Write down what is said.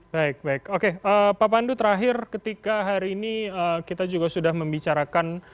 baik baik oke pak pandu terakhir ketika hari ini kita juga sudah membicarakan